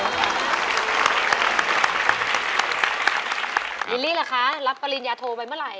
ลิลลี่ล่ะคะรับปริญญาโทไปเมื่อไห